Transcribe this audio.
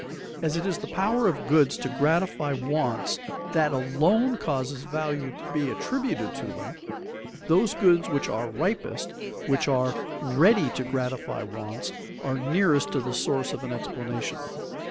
As it is the power of goods to gratify wants that alone causes value to be attributed to them, those goods which are ripest, which are ready to gratify wants, are nearest to the source of an explanation.